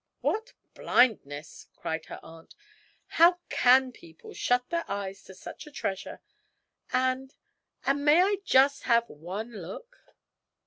'What blindness!' cried her aunt; 'how can people shut their eyes to such a treasure? And and may I just have one look?